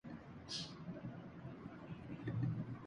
پاکستان میں چین کی سرمایہ کاری سے نئے منصوبوں پر غور